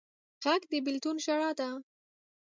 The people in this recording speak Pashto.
غږ د بېلتون ژړا ده